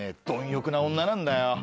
貪欲な女なんだよ。